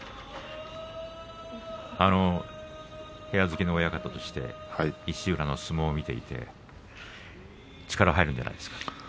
部屋付きの親方として石浦の相撲を見ていて力が入るんじゃないですか。